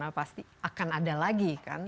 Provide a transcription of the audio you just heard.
karena pasti akan ada lagi kan